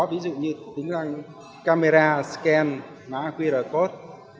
ví dụ như tính ra camera scan mã qr code